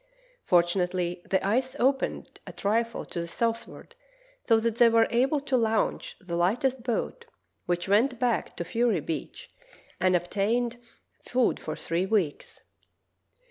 Fortunately the ice opened a trifle to the south ward so that they were able to launch the lightest boat, which went back to Fury Beach and obtained 46 True Tales of Arctic Heroism food for three weeks.